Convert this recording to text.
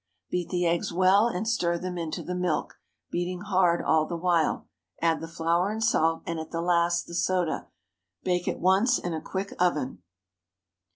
Beat the eggs well and stir them into the milk, beating hard all the while; add the flour and salt, and at the last the soda. Bake at once in a quick oven.